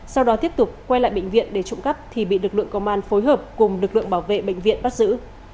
sau đó tiếp tục quay lại bệnh viện để trộm cắp thì bị lực lượng công an phối hợp cùng lực lượng bảo vệ bệnh viện bắt giữ